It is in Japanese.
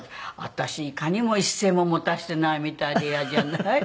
私いかにも一銭も持たせてないみたいで嫌じゃない？